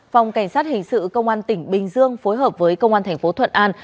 phòng cảnh sát hình sự công an tỉnh bình dương phối hợp với công an thành phố thuận an